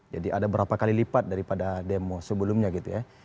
jadi ada berapa kali lipat daripada demo sebelumnya gitu ya